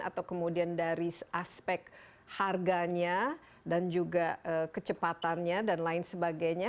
atau kemudian dari aspek harganya dan juga kecepatannya dan lain sebagainya